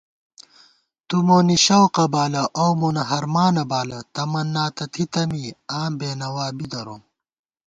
تُو مونی شوقہ بالہ اؤ مونہ ہرمانہ بالہ تمنا تہ تھِتہ می آں بېنوا بی دروم